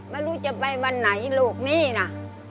ไม่รู้จะไปวันไหนลูกนี้นะ